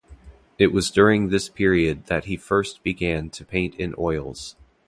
It was during this period that he first began to paint in oils.